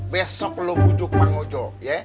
besok lu bujuk bang ojo ya